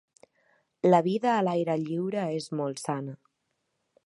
La vida a l'aire lliure és molt sana.